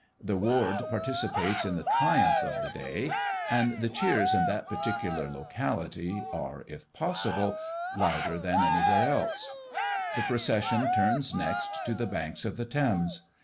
The ward participates in the triumph of the day; and the cheers in that particular locality are, if possible, louder than any where else. The procession turns next to the banks of the Thames.